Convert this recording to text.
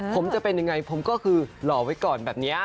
ผมจะเป็นยังไงผมก็คือหล่อไว้ก่อนแบบนี้